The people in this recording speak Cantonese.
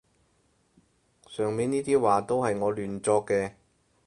上面呢啲話都係我亂作嘅